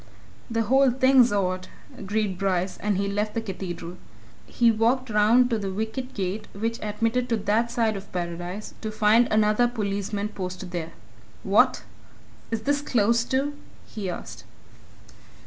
"The whole thing's odd," agreed Bryce, and left the Cathedral. He walked round to the wicket gate which admitted to that side of Paradise to find another policeman posted there. "What! is this closed, too?" he asked.